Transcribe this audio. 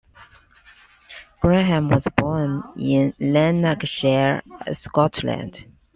Graham was born in Lanarkshire, Scotland.